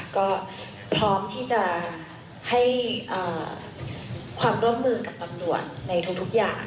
ก็พร้อมที่จะให้ความร่วมมือกับตำรวจในทุกอย่าง